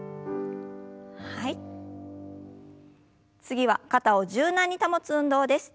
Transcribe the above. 次は肩を柔軟に保つ運動です。